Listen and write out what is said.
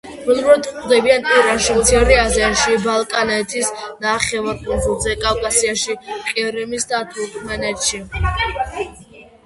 ველურად გვხვდება ირანში, მცირე აზიაში, ბალკანეთის ნახევარკუნძულზე, კავკასიაში, ყირიმსა და თურქმენეთში.